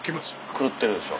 狂ってるでしょ。